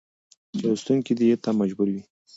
چې لوستونکى دې ته مجبور وي